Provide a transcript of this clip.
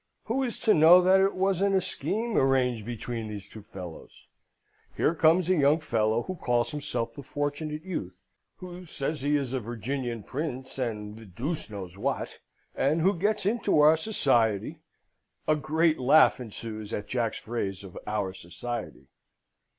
"Who is to know that it wasn't a scheme arranged between these two fellows? Here comes a young fellow who calls himself the Fortunate Youth, who says he is a Virginian Prince and the deuce knows what, and who gets into our society " A great laugh ensues at Jack's phrase of "our society."